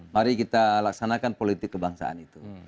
mari kita laksanakan politik kebangsaan itu